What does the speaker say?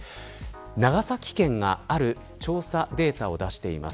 長崎県がある調査データを出しています。